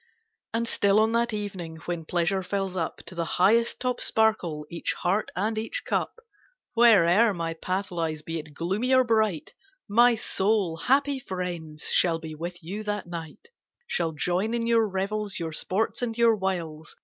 And still on that evening, when pleasure fills up ID To the highest top sparkle each heart and each cup. Where'er my path lies, be it gloomy or bright, My soul, happy friends, shall be with you that night ; Shall join in your revels, your sports and your wiles.